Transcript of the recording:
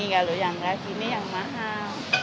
kalau yang nggak gini yang mahal